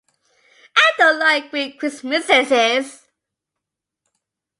I don’t like green Christmases.